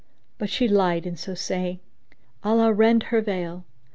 But she lied in so saying, Allah rend her veil!